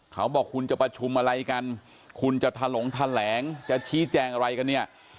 เขาบอกคุณจะประชุมอะไรกันคุณจะถลงแถลงจะชี้แจงอะไรกันเนี่ย